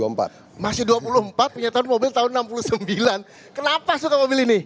masih dua puluh empat punya tahun mobil tahun seribu sembilan ratus sembilan kenapa suka mobil ini